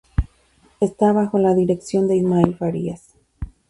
Está bajo la dirección de Ismael Farías.